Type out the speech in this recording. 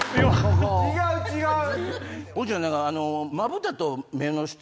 違う違う！